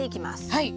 はい。